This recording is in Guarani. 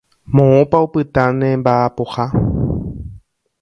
Moõpa opyta ne mba'apoha.